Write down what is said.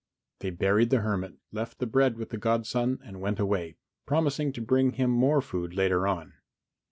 They buried the hermit, left the bread with the godson and went away, promising to bring him more food later on.